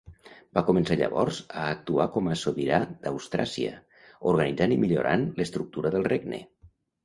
Va començar llavors a actuar com a sobirana d'Austràsia, organitzant i millorant l'estructura del regne.